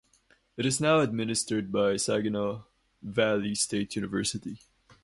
It is now administered by Saginaw Valley State University.